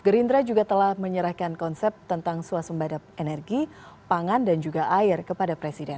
gerindra juga telah menyerahkan konsep tentang suasembada energi pangan dan juga air kepada presiden